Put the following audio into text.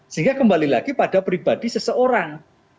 sehingga kembali lagi pada pribadi seseorang